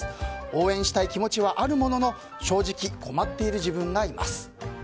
応援したい気持ちはあるものの正直、困っている自分がいます。